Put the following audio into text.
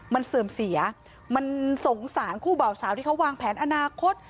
มันเสื่อมเสียมันสงสารคู่เบาสาวที่เขาวางแผนอนาคต